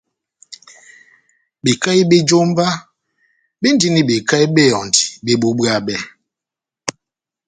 Bekahi bé jómba béndini bekahi bé ehɔndi bébubwabɛ.